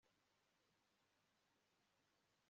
ayiwee Uwo ninde ugiye kubabihiriza